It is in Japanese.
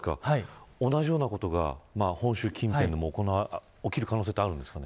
同じようなことが本州近辺で起きる可能性はありますか。